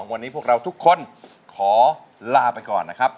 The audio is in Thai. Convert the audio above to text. วันนี้พวกเราทุกคนขอลาไปก่อนนะครับ